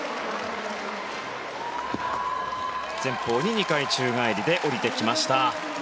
前方に２回宙返りで下りてきました。